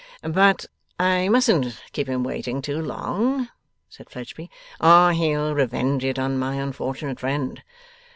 'But I mustn't keep him waiting too long,' said Fledgeby, 'or he'll revenge it on my unfortunate friend.